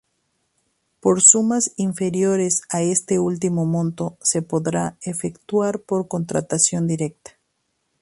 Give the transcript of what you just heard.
Por sumas inferiores a este último monto se podrán efectuar por contratación directa.